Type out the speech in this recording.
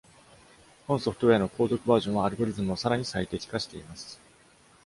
本ソフトウェアの後続バージョンは、アルゴリズムをさらに最適化しています。